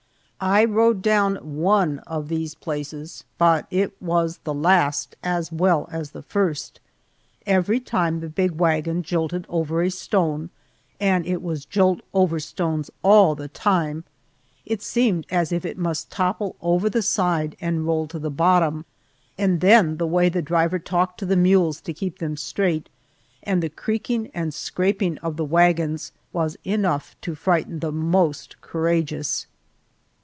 I rode down one of these places, but it was the last as well as the first. Every time the big wagon jolted over a stone and it was jolt over stones all the time it seemed as if it must topple over the side and roll to the bottom; and then the way the driver talked to the mules to keep them straight, and the creaking and scraping of the wagons, was enough to frighten the most courageous.